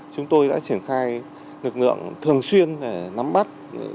chúng tôi đã triển khai lực lượng thường xuyên để nắm bắt